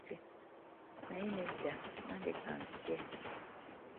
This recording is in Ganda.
Naye nedda, nange kanzigye.